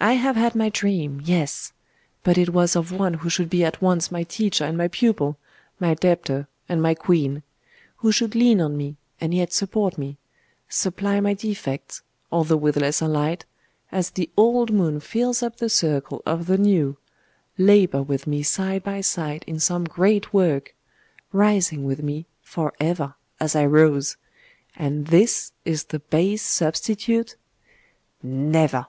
I have had my dream yes! but it was of one who should be at once my teacher and my pupil, my debtor and my queen who should lean on me, and yet support me supply my defects, although with lesser light, as the old moon fills up the circle of the new labour with me side by side in some great work rising with me for ever as I rose: and this is the base substitute! Never!